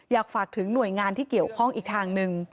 อยากฝากถึงหน่วยงานที่เกี่ยวข้องอีกทางหนึ่ง